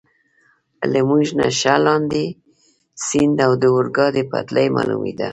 له موږ نه ښه لاندې، سیند او د اورګاډي پټلۍ معلومېده.